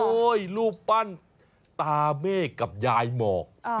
รูปปั้นตาเมฆกับยายหมอก